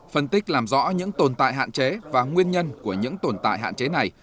phân tích làm rõ những tồn tại hạn chế và nguyên nhân của những tồn tại hạn chế này